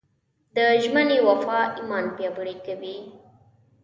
د ژمنې وفا ایمان پیاوړی کوي.